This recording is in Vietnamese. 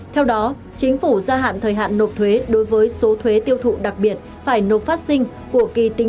theo đó chính phủ gia hạn thời hạn nộp thuế đối với số thuế tiêu thụ đặc biệt phải nộp phát sinh của kỳ tín